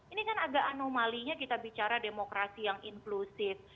ini kan agak anomalinya kita bicara demokrasi yang inklusif